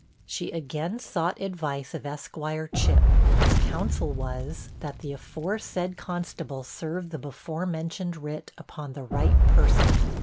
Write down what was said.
She again sought advice of Esquire Chip, whose counsel was, that the aforesaid constable serve the before mentioned writ upon the right person.